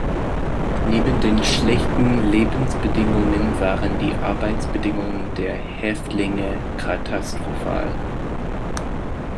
Neben den schlechten Lebensbedingungen waren die Arbeitsbedingungen der Häftlinge katastrophal.